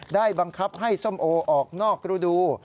บังคับให้ส้มโอออกนอกรูดู